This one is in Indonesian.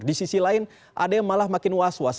di sisi lain ada yang malah makin was was